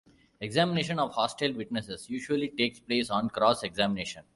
Examination of hostile witnesses usually takes place on cross-examination.